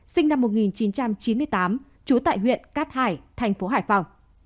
sinh năm một nghìn chín trăm chín mươi tám trú tại huyện cát hải thành phố hải phòng